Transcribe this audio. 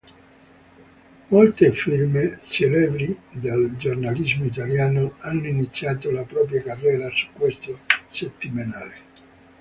Molte firme celebri del giornalismo italiano hanno iniziato la propria carriera su questo settimanale.